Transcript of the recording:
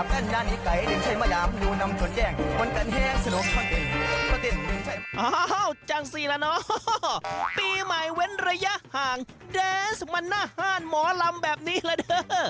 ปีใหม่เว้นระยะห่างแดนส์มันหน้าห้านหมอลำแบบนี้ละเด้อ